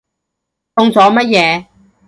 中咗乜嘢？